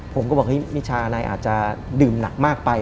ผมก็บอกว่ามิชานายอาจจะดื่มหนักมากไป